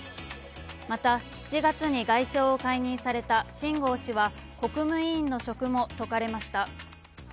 また、７月に外相を解任された秦剛氏は国務委員の職も解かれました。